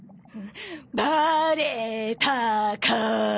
バレたか！